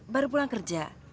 baru pulang kerja